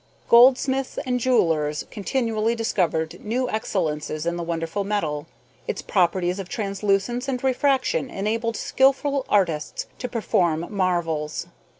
Goldsmiths and jewellers continually discovered new excellences in the wonderful metal. Its properties of translucence and refraction enabled skilful artists to perform marvels.